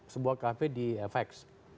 sebuah cafe di fx